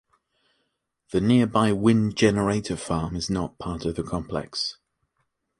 The nearby wind generator farm is not part of the complex.